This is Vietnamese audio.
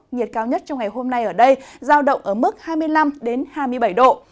nhiệt cao nhất trong ngày hôm nay ở đây giao động ở mức hai mươi năm hai mươi bảy độ